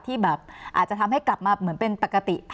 ที่แบบอาจจะทำให้กลับมาเหมือนเป็นปกติ